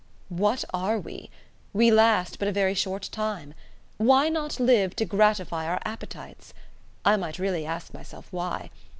"What are we! We last but a very short time. Why not live to gratify our appetites? I might really ask myself why.